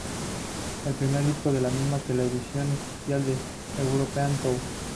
El primer disco es la misma que la edición especial del European Tour.